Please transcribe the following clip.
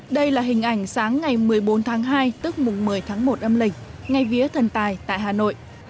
đây là hình ảnh sáng ngày một mươi bốn tháng hai tức mùng một mươi tháng một âm lịch ngay vía thần tài tại hà nội